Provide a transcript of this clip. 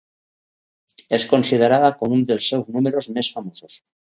És considerada com un dels seus números més famosos.